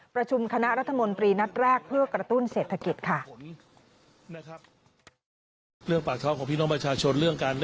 ประชุมคณะรัฐมนตรีนัดแรกเพื่อกระตุ้นเศรษฐกิจค่ะ